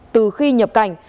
từ khi nhập cảnh